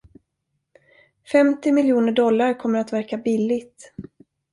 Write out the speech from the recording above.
Femtio miljoner dollar kommer att verka billigt.